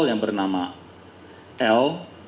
yang bernama l